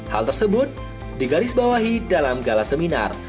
hal tersebut digarisbawahi dalam gala seminar